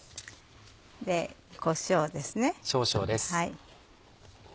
こしょうですね。